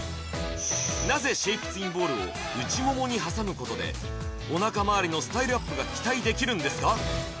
なぜシェイプツインボールを内ももに挟むことでおなかまわりのスタイルアップが期待できるんですか？